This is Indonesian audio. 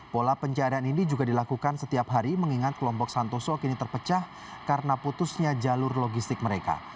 pola pencarian ini juga dilakukan setiap hari mengingat kelompok santoso kini terpecah karena putusnya jalur logistik mereka